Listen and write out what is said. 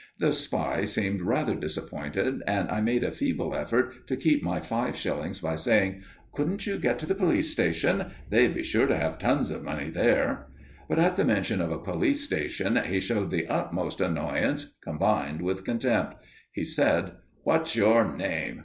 The spy seemed rather disappointed, and I made a feeble effort to keep my five shillings by saying: "Couldn't you get to the police station? They'd be sure to have tons of money there." But at the mention of a police station he showed the utmost annoyance, combined with contempt. He said: "What's your name?"